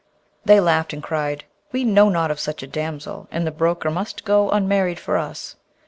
They laughed, and cried, 'We know not of such a damsel, and the broker must go unmarried for us.'